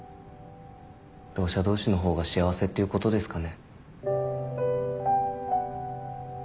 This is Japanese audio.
ろう者同士の方が幸せっていうことですかね。